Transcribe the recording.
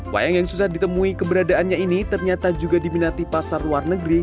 wayang yang susah ditemui keberadaannya ini ternyata juga diminati pasar luar negeri